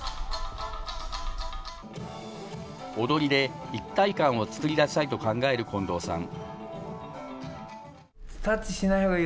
踊りで一体感を作り出したいと考える近藤さん。